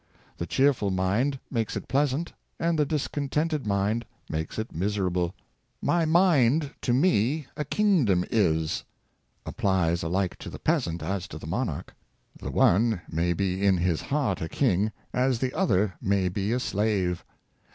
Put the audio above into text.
The cheerful mind makes it pleasant, and the discontented mind makes it miserable. " My mind to me a kingdom is," applies alike to the peasant as to the monarch. The one may be in his heart a king, as the other may be a slave.